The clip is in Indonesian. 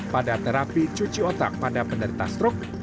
pada terapi cuci otak pada penderita stroke